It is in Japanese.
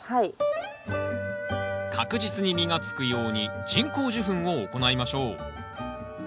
確実に実がつくように人工授粉を行いましょう。